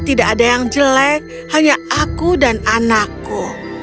tidak ada yang jelek hanya aku dan anakku